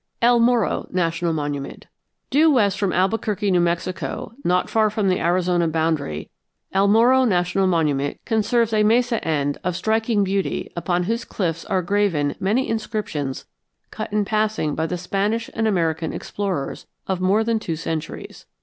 EL MORRO NATIONAL MONUMENT Due west from Albuquerque, New Mexico, not far from the Arizona boundary, El Morro National Monument conserves a mesa end of striking beauty upon whose cliffs are graven many inscriptions cut in passing by the Spanish and American explorers of more than two centuries.